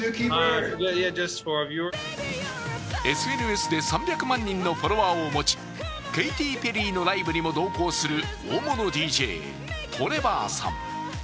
ＳＮＳで３００万人のフォロワーを持ちケイティ・ペリーのライブにも同行する大物ＤＪ、トレバーさん。